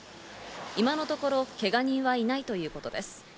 今のところけが人はいないということです。